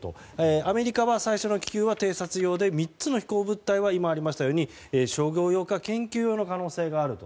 アメリカは最初の気球は偵察用で３つの飛行物体は商業用か研究用の可能性があると。